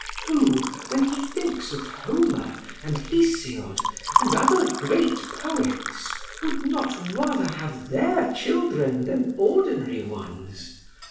Who, when he thinks of Homer and Hesiod and other great poets, would not rather have their children than ordinary ones?